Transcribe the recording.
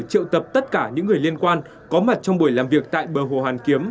triệu tập tất cả những người liên quan có mặt trong buổi làm việc tại bờ hồ hàn kiếm